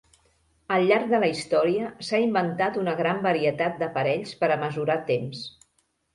Al llarg de la història, s'ha inventat una gran varietat d'aparells per a mesurar temps.